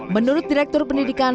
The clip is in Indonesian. menurut direktur pendidikan